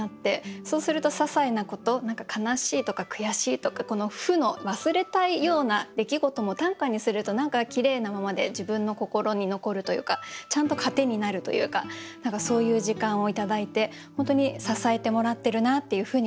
そうするとささいなこと何か悲しいとか悔しいとかこの負の忘れたいような出来事も短歌にすると何かきれいなままで自分の心に残るというかちゃんと糧になるというか何かそういう時間を頂いて本当に支えてもらってるなっていうふうに感じてます。